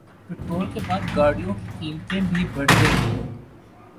petrol کے بعد گاڑیوں کی قیمتیں بھی بڑھ گئیں